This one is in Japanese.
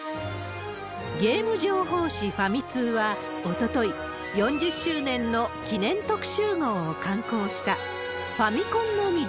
ゲーム情報誌、ファミ通は、おととい、４０周年の記念特集号を刊行した。